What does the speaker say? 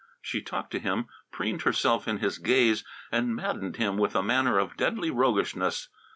She talked to him, preened herself in his gaze, and maddened him with a manner of deadly roguishness.